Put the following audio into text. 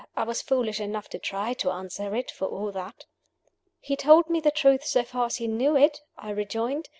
I was foolish enough to try to answer it, for all that. "He told me the truth so far as he knew it," I rejoined.